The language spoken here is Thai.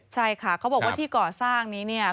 ใช่ค่ะเขาบอกว่าที่ก่อสร้างนี้เนี่ย